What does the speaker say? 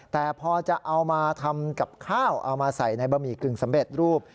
แต่พอจะเอามาทำกับข้าวเอามาใส่ในบะหมี่กึ่งสำเร็จรูป